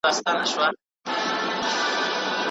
بې تا په حسن كي دي ګډ يــم